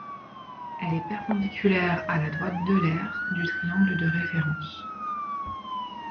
Elle est perpendiculaire à la droite d'Euler du triangle de référence.